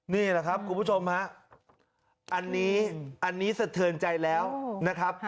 นี่แหละครับคุณผู้ชมครับอันนี้สะเติร์นใจแล้วนะครับ